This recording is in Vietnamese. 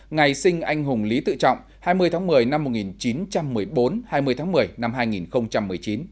ngày sinh anh hùng lý tự trọng hai mươi tháng một mươi năm một nghìn chín trăm một mươi bốn hai mươi tháng một mươi năm hai nghìn một mươi chín